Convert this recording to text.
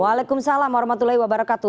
waalaikumsalam warahmatullahi wabarakatuh